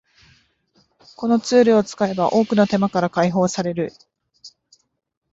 このツールを使えば多くの手間から解放される